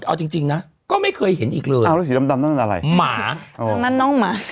เอาจริงนะก็ไม่เคยเห็นอีกเลยอ้าวสีดำนั่นอะไรหมานั่นน้องหมา